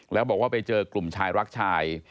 แล้วบอกว่าไปเจอกลุ่มชายรักชาย